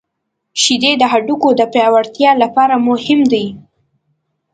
• شیدې د هډوکو د پیاوړتیا لپاره مهمې دي.